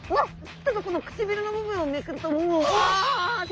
このくちびるの部分をめくるともううわ！って。